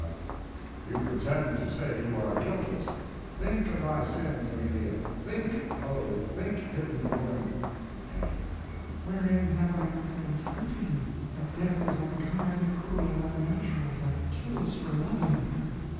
F. You pretend to say you are guiltless! Think of thy sins, Amelia; think, oh, think, hidden woman. A. Wherein have I not been true to you? That death is unkind, cruel, and unnatural, that kills for living.